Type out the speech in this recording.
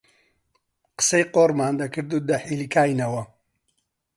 قسەی قۆڕمان دەکرد و دەحیلکاینەوە